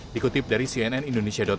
dikutip dari cnnindonesia com